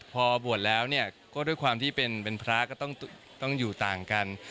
พอบวชแล้วก็ด้วยความที่เป็นพระก็ต้องอยู่ต่างกัน